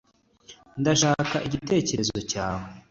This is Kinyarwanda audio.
ndashaka igitekerezo cyawe